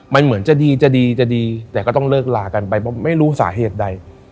มันเหมือนจะดีจะดีจะดีแต่ก็ต้องเลิกลากันไปเพราะไม่รู้สาเหตุใด